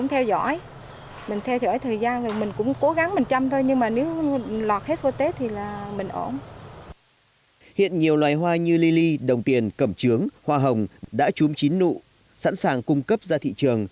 hiện nhiều loài hoa như lili đồng tiền cẩm trướng hoa hồng đã chôm chín nụ sẵn sàng cung cấp ra thị trường